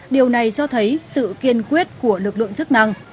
điều này cho thấy sự kiên quyết của lực lượng chức năng